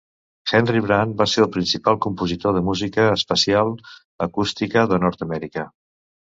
Henry Brant va ser el principal compositor de música espacial acústica de Nord-Amèrica.